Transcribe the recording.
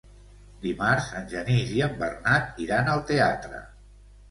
Dimarts en Genís i en Bernat iran al teatre.